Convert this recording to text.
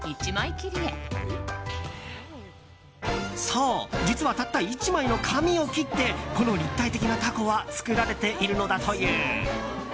そう、実はたった１枚の紙を切ってこの立体的なタコは作られているのだという。